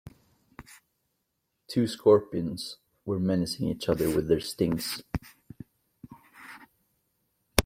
Two scorpions were menacing each other with their stings.